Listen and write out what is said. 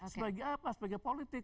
sebagai apa sebagai politik